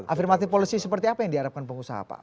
affirmative policy seperti apa yang diharapkan pengusaha apa